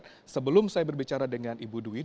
dan sebelum saya berbicara dengan ibu dwi